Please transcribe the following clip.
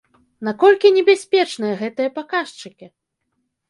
Наколькі небяспечныя гэтыя паказчыкі?